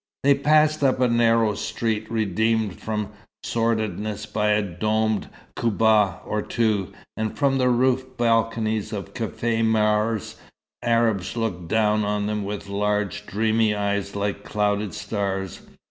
They passed up a narrow street redeemed from sordidness by a domed koubbah or two; and from the roofed balconies of cafés maures, Arabs looked down on them with large, dreamy eyes like clouded stars.